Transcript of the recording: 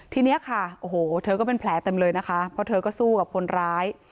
ทีนี้ค่ะโอ้โหเธอก็เป็นแผลเต็มเลยนะคะเพราะเธอก็สู้กับคนร้าย